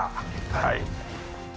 はい。